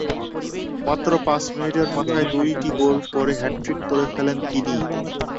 মাত্র পাঁচ মিনিটের মাথায় দুইটি গোল করে হ্যাটট্রিক করে ফেলেন তিনি।